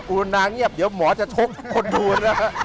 อุลนางเงียบเดี๋ยวหมอจะชกคนดูน